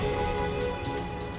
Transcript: anda windari cnn indonesia